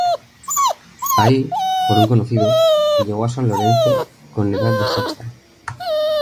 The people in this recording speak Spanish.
Ahí, por un conocido, llegó a San Lorenzo, con edad de Sexta.